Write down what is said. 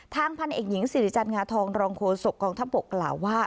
ทางพันธ์เอกหญิงสิริจันทร์งาทองรองโคสกองทัพปกกล่าวว่า